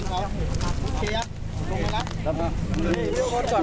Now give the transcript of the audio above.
ลงมาอยู่กับเขากับลูกเนอะ